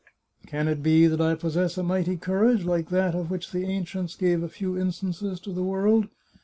Can it be that I possess a mighty courage, like that of which the ancients gave a few instances to the world